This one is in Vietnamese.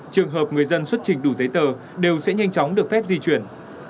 cho dân xuất trình đủ giấy tờ đều sẽ nhanh chóng được phép di chuyển